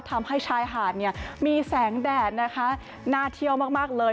ทำให้ชายหาดเนี่ยมีแสงแดดนะคะน่าเที่ยวมากเลย